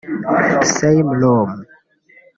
‘Same Room’